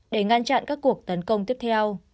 để ngăn chặn các cuộc tấn công tiếp theo